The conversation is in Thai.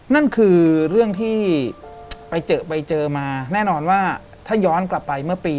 นั่นคือเรื่องที่ไปเจอไปเจอมาแน่นอนว่าถ้าย้อนกลับไปเมื่อปี๒๕